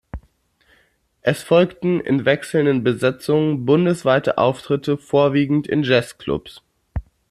Es folgten in wechselnden Besetzungen bundesweite Auftritte, vorwiegend in Jazz-Clubs.